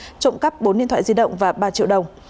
trộm cắp bốn điện thoại di động và ba triệu đồng